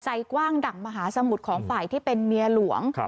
ใจกว้างดั่งมหาสมุทรของฝ่ายที่เป็นเมียหลวง